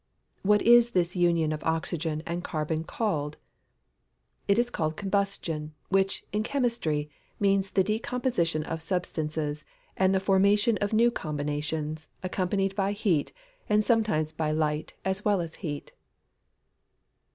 What is this union of oxygen and carbon called? It is called combustion, which, in chemistry, means the decomposition of substances, and the formation of new combinations, accompanied by heat; and sometimes by light, as well as heat.